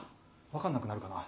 分かんなくなるかな。